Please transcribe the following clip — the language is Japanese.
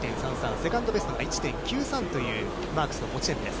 セカンドポイントが１．９３というマークスの持ち点です。